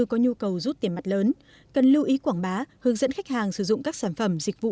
có nhu cầu rút tiền mặt lớn cần lưu ý quảng bá hướng dẫn khách hàng sử dụng các sản phẩm dịch vụ